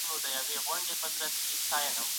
د زړه میني نفرت ماتوي